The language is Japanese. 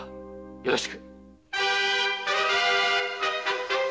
よろしく。